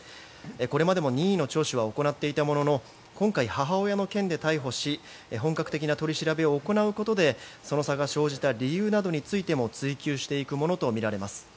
これまでも任意の聴取は行っていたものの今回、母親の件で逮捕し本格的な取り調べを行うことでその差が生じた理由などについても追及していくとみられます。